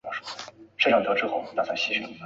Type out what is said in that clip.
康熙三十八年己卯乡试举人。